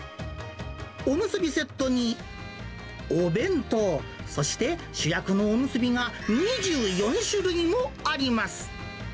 お結びセットに、お弁当、そして主役のおむすびが２４種類もあります。